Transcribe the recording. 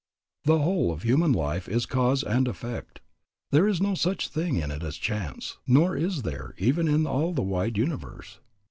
The whole of human life is cause and effect; there is no such thing in it as chance, nor is there even in all the wide universe.